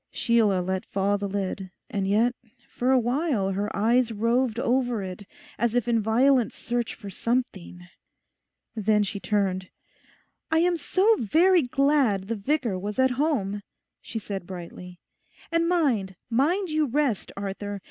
Sheila let fall the lid; and yet for a while her eyes roved over it as if in violent search for something. Then she turned: 'I am so very glad the vicar was at home,' she said brightly. 'And mind, mind you rest, Arthur.